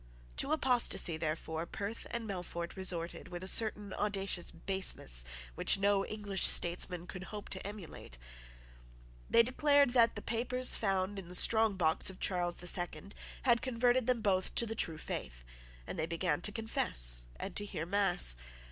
To apostasy, therefore, Perth and Melfort resorted with a certain audacious baseness which no English statesman could hope to emulate. They declared that the papers found in the strong box of Charles the Second had converted them both to the true faith; and they began to confess and to hear mass.